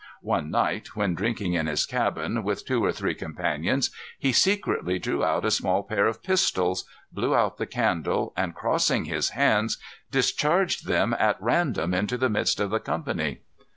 One night, when drinking, in his cabin, with two or three companions, he secretly drew out a small pair of pistols, blew out the candle, and, crossing his hands, discharged them at random into the midst of the company.